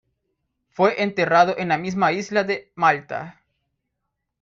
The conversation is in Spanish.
Fue enterrado en la misma isla de Malta.